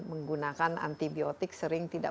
menggunakan antibiotik sering tidak